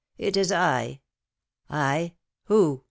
"It is I." "I? Who?